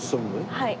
はい。